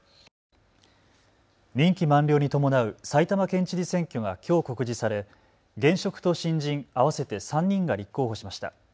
任期満了に伴う埼玉県知事選挙がきょう告示され現職と新人合わせて３人が立候補しました。